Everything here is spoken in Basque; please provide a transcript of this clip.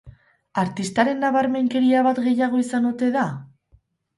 Artistaren nabarmenkeria bat gehiago izan ote da?